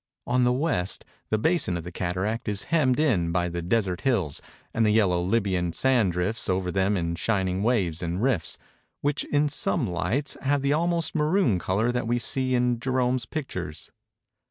On the west the basin of the cataract is hemmed in by the desert hills, and the yellow Libyan sand drifts over them in shining waves and rifts, which in some lights have the almost maroon color that we see in Gerome's pictures.